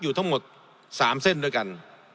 ทั้งหมด๓เส้นด้วยกัน